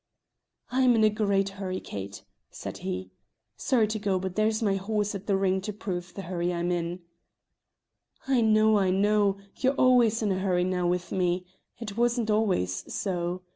"I'm in a great hurry, Kate," said he. "Sorry to go, but there's my horse at the ring to prove the hurry I'm in!" "I know, I know; you're always in a hurry now with me: it wasn't always so.